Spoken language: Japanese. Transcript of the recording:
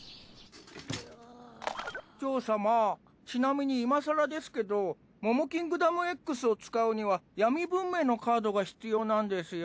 ジョー様ちなみに今さらですけどモモキングダムＸを使うには闇文明のカードが必要なんですよ。